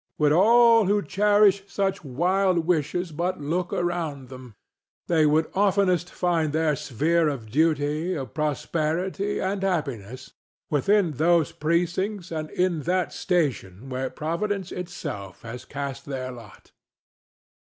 Would all who cherish such wild wishes but look around them, they would oftenest find their sphere of duty, of prosperity and happiness, within those precincts and in that station where Providence itself has cast their lot.